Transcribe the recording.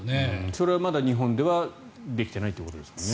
それはまだ日本ではできてないということですもんね。